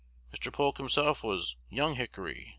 Mr. Polk himself was 'Young Hickory.'